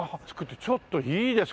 ちょっといいですか？